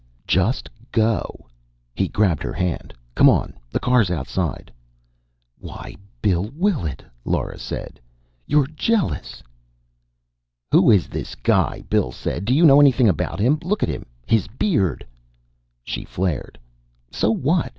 "Just go!" He grabbed her hand. "Come on! The car's outside." "Why, Bill Willet," Lora said. "You're jealous!" "Who is this guy?" Bill said. "Do you know anything about him? Look at him, his beard " She flared. "So what?